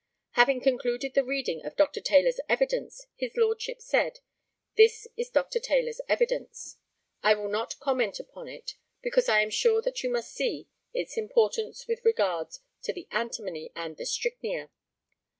Having concluded the reading of Dr. Taylor's evidence, his lordship said: This is Dr. Taylor's evidence. I will not comment upon it, because I am sure that you must see its importance with regard to the antimony and the strychnia.